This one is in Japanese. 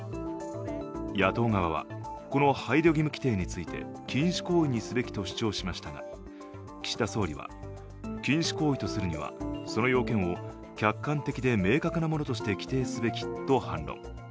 野党側はこの配慮義務規定について禁止行為にすべきと主張しましたが、岸田総理は禁止行為とするにはその要件を客観的で明確なものとして規定すべきと反論。